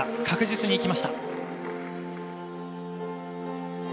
確実にいきました。